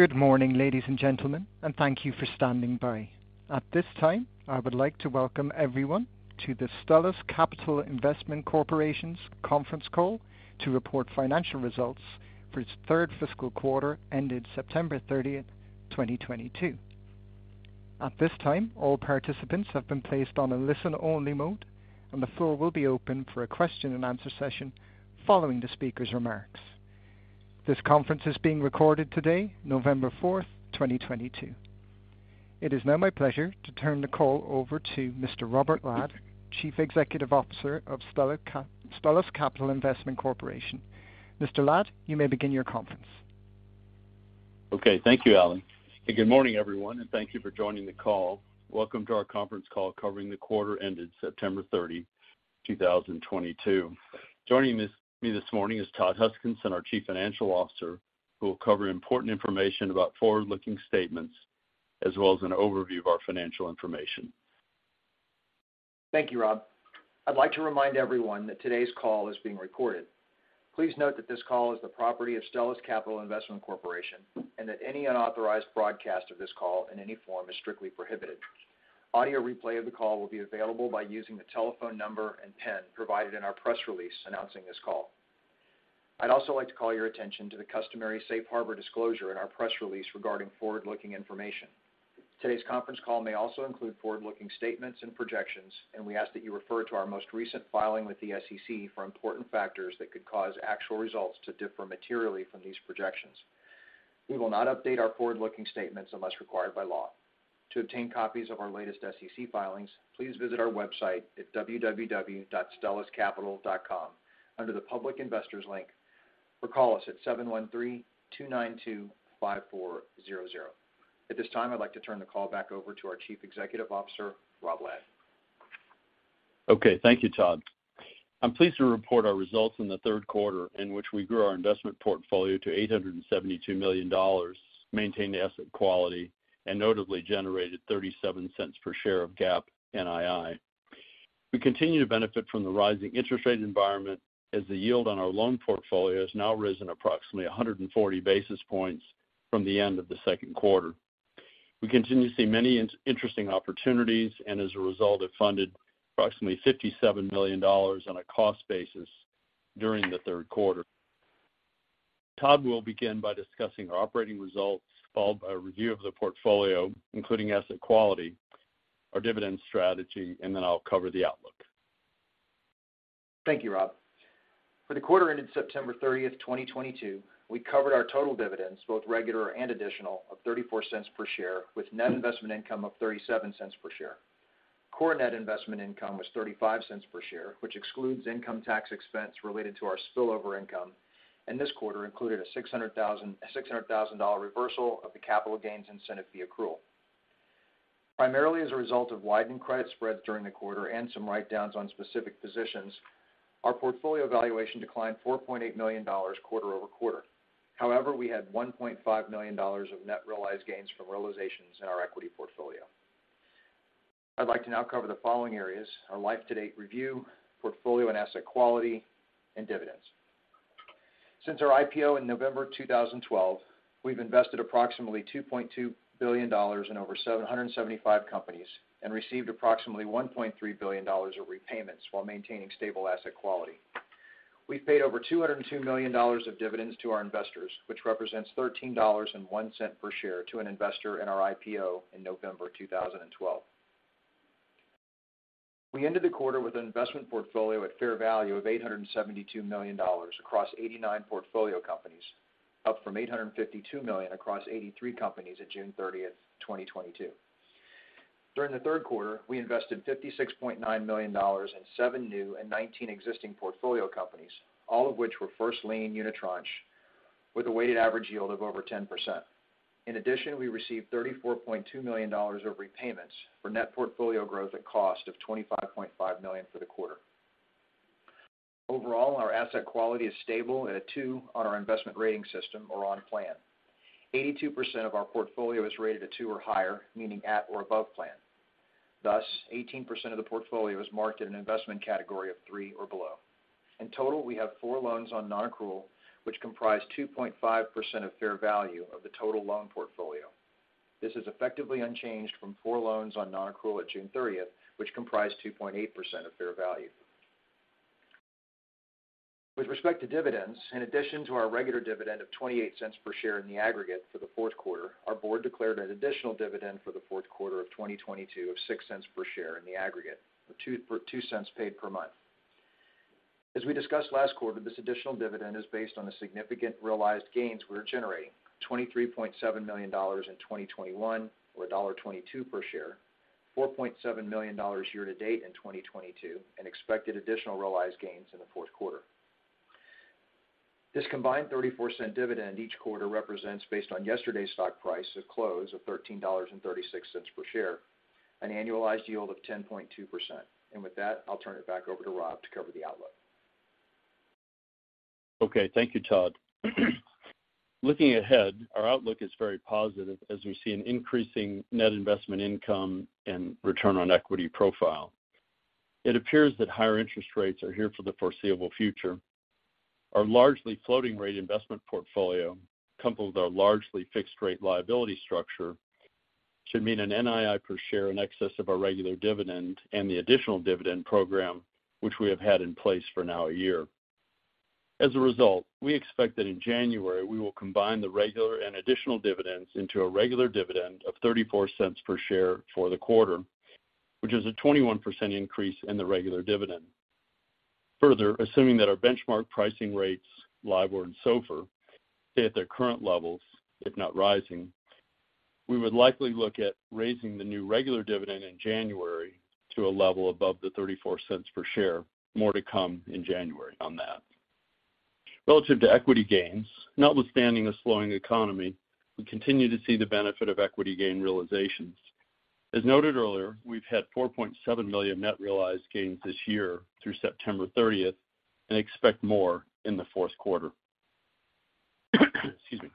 Good morning, ladies and gentlemen, and thank you for standing by. At this time, I would like to welcome everyone to the Stellus Capital Investment Corporation's conference call to report financial results for its third fiscal quarter ended September 30th, 2022. At this time, all participants have been placed on a listen-only mode, and the floor will be open for a question-and-answer session following the speaker's remarks. This conference is being recorded today, November 4th, 2022. It is now my pleasure to turn the call over to Mr. Robert Ladd, Chief Executive Officer of Stellus Capital Investment Corporation. Mr. Ladd, you may begin your conference. Okay. Thank you, Allen. Good morning, everyone, and thank you for joining the call. Welcome to our conference call covering the quarter ended September 30, 2022. Joining me this morning is Todd Huskinson, our Chief Financial Officer, who will cover important information about forward-looking statements as well as an overview of our financial information. Thank you, Rob. I'd like to remind everyone that today's call is being recorded. Please note that this call is the property of Stellus Capital Investment Corporation, and that any unauthorized broadcast of this call in any form is strictly prohibited. Audio replay of the call will be available by using the telephone number and PIN provided in our press release announcing this call. I'd also like to call your attention to the customary safe harbor disclosure in our press release regarding forward-looking information. Today's conference call may also include forward-looking statements and projections, and we ask that you refer to our most recent filing with the SEC for important factors that could cause actual results to differ materially from these projections. We will not update our forward-looking statements unless required by law. To obtain copies of our latest SEC filings, please visit our website at www.stelluscapital.com under the Public Investors link, or call us at 713-292-5400. At this time, I'd like to turn the call back over to our Chief Executive Officer, Rob Ladd. Okay. Thank you, Todd. I'm pleased to report our results in the third quarter in which we grew our investment portfolio to $872 million, maintained the asset quality, and notably generated $0.37 per share of GAAP NII. We continue to benefit from the rising interest rate environment as the yield on our loan portfolio has now risen approximately 140 basis points from the end of the second quarter. We continue to see many interesting opportunities and as a result have funded approximately $57 million on a cost basis during the third quarter. Todd will begin by discussing our operating results, followed by a review of the portfolio, including asset quality, our dividend strategy, and then I'll cover the outlook. Thank you, Rob. For the quarter ended September 30th, 2022, we covered our total dividends, both regular and additional, of $0.34 per share with net investment income of $0.37 per share. Core net investment income was $0.35 per share, which excludes income tax expense related to our spillover income, and this quarter included a $600,000 reversal of the capital gains incentive fee accrual. Primarily as a result of widened credit spreads during the quarter and some write-downs on specific positions, our portfolio valuation declined $4.8 million quarter-over-quarter. However, we had $1.5 million of net realized gains from realizations in our equity portfolio. I'd like to now cover the following areas, our life-to-date review, portfolio and asset quality, and dividends. Since our IPO in November 2012, we've invested approximately $2.2 billion in over 775 companies and received approximately $1.3 billion of repayments while maintaining stable asset quality. We've paid over $202 million of dividends to our investors, which represents $13.01 per share to an investor in our IPO in November 2012. We ended the quarter with an investment portfolio at fair value of $872 million across 89 portfolio companies, up from $852 million across 83 companies at June 30th, 2022. During the third quarter, we invested $56.9 million in seven new and 19 existing portfolio companies, all of which were first lien unitranche with a weighted average yield of over 10%. In addition, we received $34.2 million of repayments for net portfolio growth at cost of $25.5 million for the quarter. Overall, our asset quality is stable at a 2 on our investment rating system or on plan. 82% of our portfolio is rated a 2 or higher, meaning at or above plan. Thus, 18% of the portfolio is marked at an investment category of 3 or below. In total, we have four loans on nonaccrual which comprise 2.5% of fair value of the total loan portfolio. This is effectively unchanged from four loans on nonaccrual at June 30th, which comprised 2.8% of fair value. With respect to dividends, in addition to our regular dividend of $0.28 per share in the aggregate for the fourth quarter, our board declared an additional dividend for the fourth quarter of 2022 of $0.06 per share in the aggregate, $0.02 paid per month. As we discussed last quarter, this additional dividend is based on the significant realized gains we are generating, $23.7 million in 2021 or $1.22 per share, $4.7 million year to date in 2022, and expected additional realized gains in the fourth quarter. This combined $0.34 dividend each quarter represents, based on yesterday's stock price, a close of $13.36 per share, an annualized yield of 10.2%. With that, I'll turn it back over to Rob to cover the outlook. Okay. Thank you, Todd. Looking ahead, our outlook is very positive as we see an increasing net investment income and return on equity profile. It appears that higher interest rates are here for the foreseeable future. Our largely floating rate investment portfolio, coupled with our largely fixed rate liability structure, should mean an NII per share in excess of our regular dividend and the additional dividend program which we have had in place for now a year. As a result, we expect that in January, we will combine the regular and additional dividends into a regular dividend of $0.34 per share for the quarter, which is a 21% increase in the regular dividend. Further, assuming that our benchmark pricing rates, LIBOR and SOFR, stay at their current levels, if not rising, we would likely look at raising the new regular dividend in January to a level above the $0.34 per share. More to come in January on that. Relative to equity gains, notwithstanding a slowing economy, we continue to see the benefit of equity gain realizations. As noted earlier, we've had $4.7 million net realized gains this year through September 30th and expect more in the fourth quarter. Excuse me.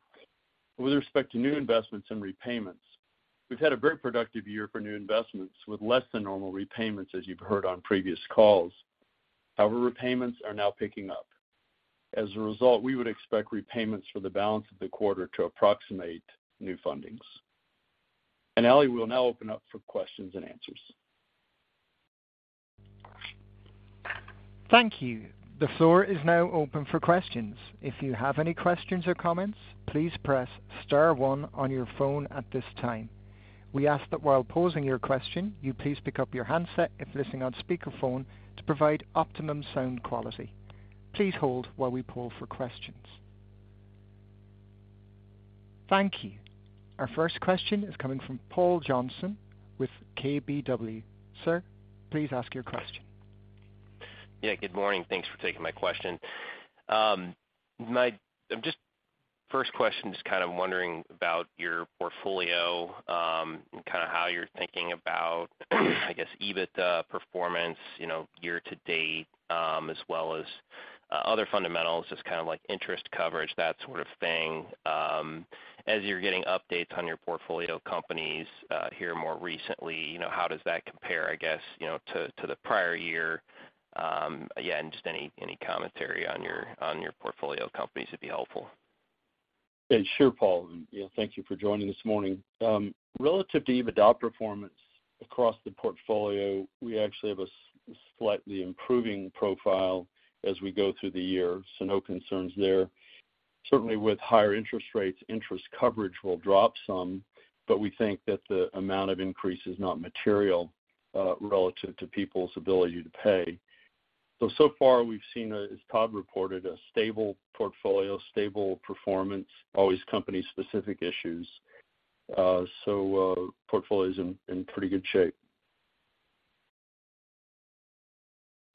With respect to new investments and repayments, we've had a very productive year for new investments with less than normal repayments, as you've heard on previous calls. However, repayments are now picking up. As a result, we would expect repayments for the balance of the quarter to approximate new fundings. Allen, we'll now open up for questions and answers. Thank you. The floor is now open for questions. If you have any questions or comments, please press star one on your phone at this time. We ask that while posing your question, you please pick up your handset if listening on speakerphone to provide optimum sound quality. Please hold while we poll for questions. Thank you. Our first question is coming from Paul Johnson with KBW. Sir, please ask your question. Yeah, good morning. Thanks for taking my question. Just first question, just kind of wondering about your portfolio, and kind of how you're thinking about, I guess, EBITDA performance, you know, year to date, as well as other fundamentals. Just kind of like interest coverage, that sort of thing. As you're getting updates on your portfolio companies, here more recently, you know, how does that compare, I guess, you know, to the prior year? Yeah, and just any commentary on your portfolio companies would be helpful. Yeah, sure, Paul, and, you know, thank you for joining this morning. Relative to EBITDA performance across the portfolio, we actually have a slightly improving profile as we go through the year, so no concerns there. Certainly with higher interest rates, interest coverage will drop some, but we think that the amount of increase is not material relative to people's ability to pay. So far we've seen a, as Todd reported, stable portfolio, stable performance, always company specific issues. Portfolio's in pretty good shape.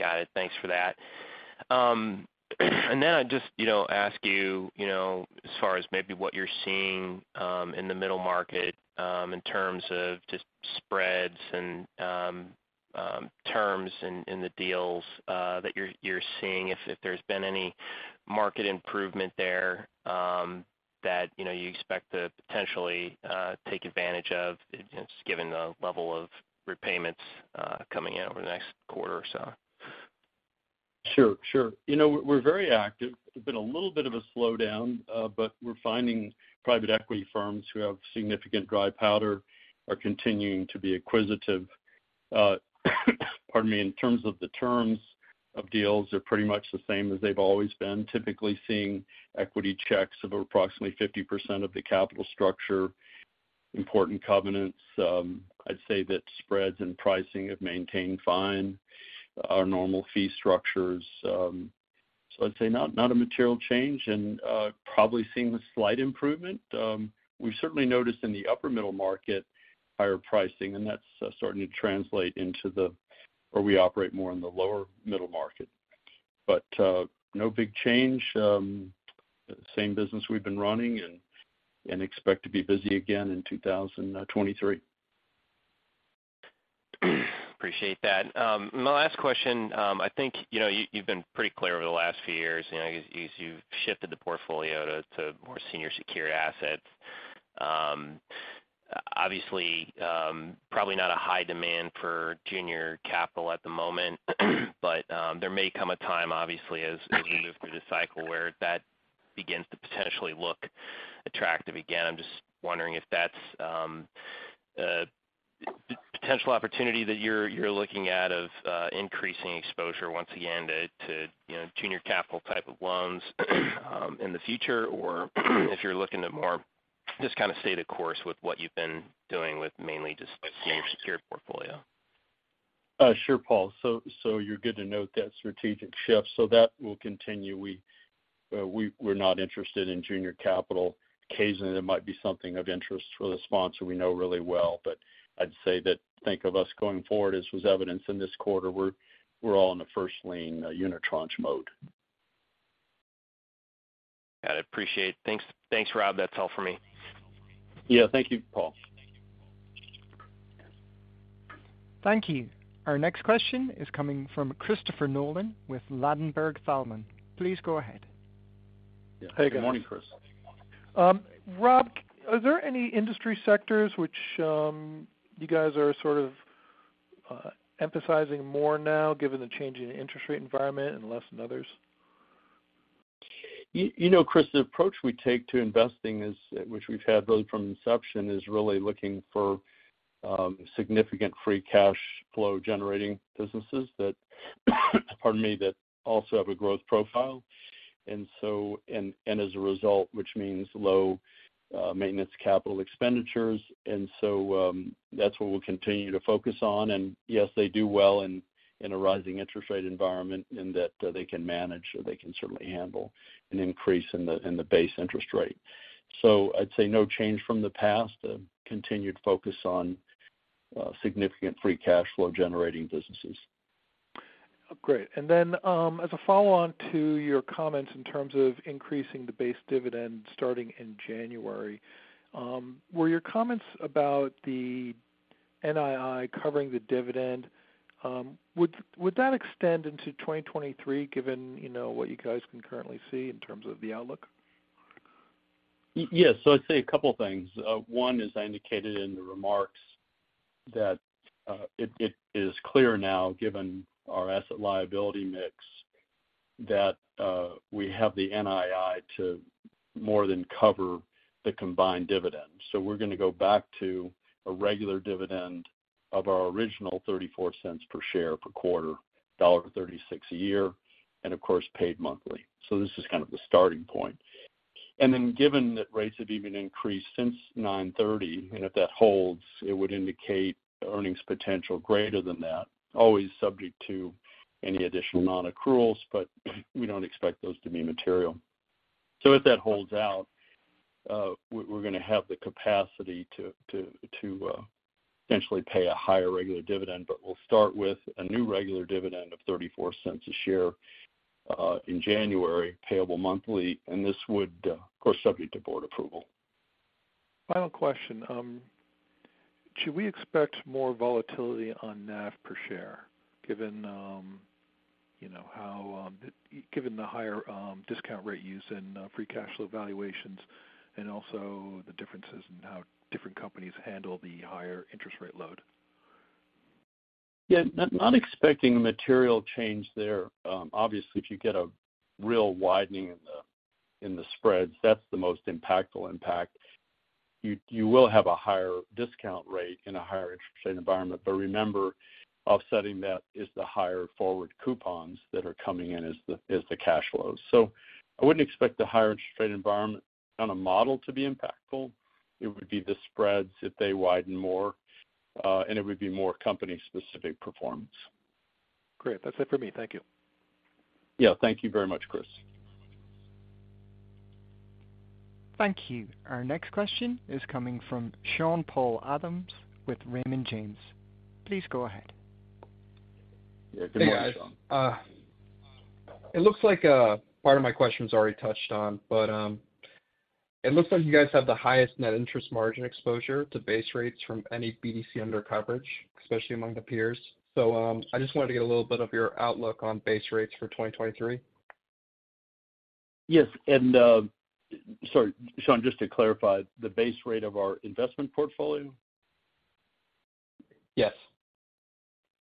Got it. Thanks for that. Just, you know, ask you know, as far as maybe what you're seeing in the middle market in terms of just spreads and terms in the deals that you're seeing. If there's been any market improvement there that you know you expect to potentially take advantage of you know just given the level of repayments coming in over the next quarter or so. Sure, sure. You know, we're very active. There's been a little bit of a slowdown, but we're finding private equity firms who have significant dry powder are continuing to be acquisitive. Pardon me. In terms of the terms of deals, they're pretty much the same as they've always been. Typically seeing equity checks of approximately 50% of the capital structure, important covenants. I'd say that spreads and pricing have maintained fine. Our normal fee structures, so I'd say not a material change and, probably seeing a slight improvement. We've certainly noticed in the upper middle market higher pricing, and that's starting to translate into where we operate more in the lower middle market. But no big change. Same business we've been running and expect to be busy again in 2023. Appreciate that. My last question. I think, you know, you've been pretty clear over the last few years, you know, as you've shifted the portfolio to more senior secured assets. Obviously, probably not a high demand for junior capital at the moment. There may come a time, obviously, as we move through the cycle where that begins to potentially look attractive again. I'm just wondering if that's a potential opportunity that you're looking at of increasing exposure once again to, you know, junior capital type of loans in the future, or if you're looking to more just kind of stay the course with what you've been doing with mainly just senior secured portfolio. Sure, Paul. You're good to note that strategic shift. That will continue. We're not interested in junior capital. Occasionally, it might be something of interest for the sponsor we know really well. I'd say to think of us going forward, as was evidenced in this quarter, we're all in the first lien unitranche mode. Yeah, I appreciate it. Thanks, thanks, Rob. That's all for me. Yeah. Thank you, Paul. Thank you. Our next question is coming from Christopher Nolan with Ladenburg Thalmann. Please go ahead. Hey, guys. Good morning, Chris. Rob, are there any industry sectors which you guys are sort of emphasizing more now given the change in interest rate environment and less than others? You know, Chris, the approach we take to investing is, which we've had really from inception, is really looking for significant free cash flow generating businesses that also have a growth profile. As a result, which means low maintenance capital expenditures. That's what we'll continue to focus on. Yes, they do well in a rising interest rate environment in that they can manage or they can certainly handle an increase in the base interest rate. I'd say no change from the past. A continued focus on significant free cash flow generating businesses. Great. As a follow-on to your comments in terms of increasing the base dividend starting in January, were your comments about the NII covering the dividend, would that extend into 2023 given, you know, what you guys can currently see in terms of the outlook? Yes. I'd say a couple things. One is I indicated in the remarks that it is clear now given our asset liability mix that we have the NII to more than cover the combined dividends. We're gonna go back to a regular dividend of our original $0.34 per share per quarter, $1.36 a year and of course, paid monthly. This is kind of the starting point. Then given that rates have even increased since 9:30 A.M., and if that holds, it would indicate earnings potential greater than that, always subject to any additional nonaccruals, but we don't expect those to be material. If that holds out, we're gonna have the capacity to essentially pay a higher regular dividend. We'll start with a new regular dividend of $0.34 a share in January, payable monthly. This would, of course, be subject to board approval. Final question. Should we expect more volatility on NAV per share given you know how given the higher discount rate use and free cash flow valuations and also the differences in how different companies handle the higher interest rate load? Yeah. Not expecting material change there. Obviously, if you get a real widening in the spreads, that's the most impactful impact. You will have a higher discount rate in a higher interest rate environment. Remember, offsetting that is the higher forward coupons that are coming in as the cash flows. I wouldn't expect the higher interest rate environment on a model to be impactful. It would be the spreads if they widen more, and it would be more company-specific performance. Great. That's it for me. Thank you. Yeah. Thank you very much, Chris. Thank you. Our next question is coming from Sean-Paul Adams with Raymond James. Please go ahead. Yeah. Good morning, Sean. Hey, guys. It looks like part of my question is already touched on, but it looks like you guys have the highest net interest margin exposure to base rates from any BDC under coverage, especially among the peers. I just wanted to get a little bit of your outlook on base rates for 2023. Yes. Sorry, Sean, just to clarify, the base rate of our investment portfolio? Yes.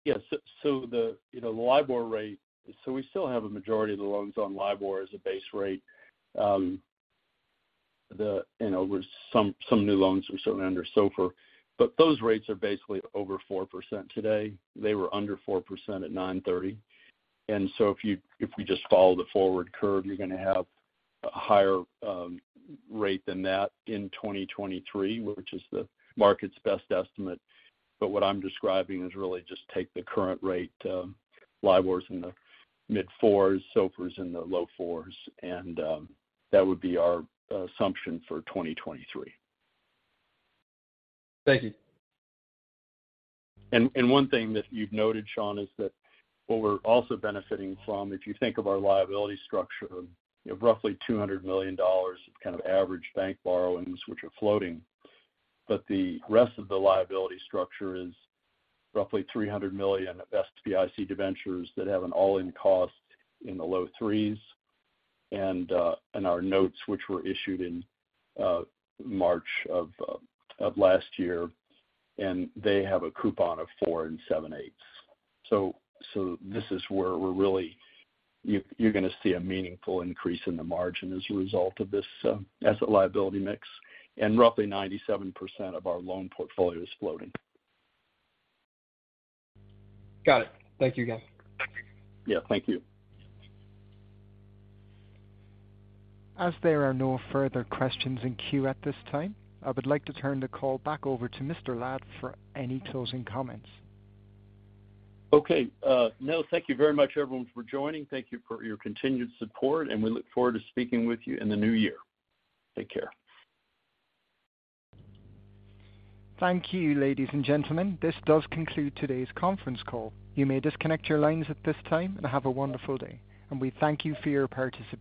Yes. You know, the LIBOR rate. We still have a majority of the loans on LIBOR as a base rate. You know, with some new loans are certainly under SOFR, but those rates are basically over 4% today. They were under 4% at 9/30. If we just follow the forward curve, you're gonna have a higher rate than that in 2023, which is the market's best estimate. But what I'm describing is really just take the current rate. LIBOR's in the mid-fours, SOFR is in the low fours, and that would be our assumption for 2023. Thank you. One thing that you've noted, Sean, is that what we're also benefiting from, if you think of our liability structure, you know, roughly $200 million of kind of average bank borrowings, which are floating. The rest of the liability structure is roughly $300 million of SBIC debentures that have an all-in cost in the low threes. Our notes, which were issued in March of last year, and they have a coupon of 4 7/8%. This is where we're really, you're gonna see a meaningful increase in the margin as a result of this, asset liability mix. Roughly 97% of our loan portfolio is floating. Got it. Thank you, guys. Yeah, thank you. As there are no further questions in queue at this time, I would like to turn the call back over to Mr. Ladd for any closing comments. Okay. No, thank you very much everyone for joining. Thank you for your continued support, and we look forward to speaking with you in the new year. Take care. Thank you, ladies and gentlemen. This does conclude today's conference call. You may disconnect your lines at this time and have a wonderful day. We thank you for your participation.